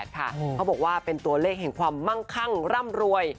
เขาบอกว่าเป็นตัวเลขแห่งความมั่งคั่งร่ำรวย